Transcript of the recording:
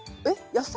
野菜？